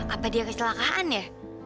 apa dia kecelakaan ya